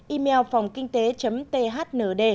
email phòngkinh tế thnd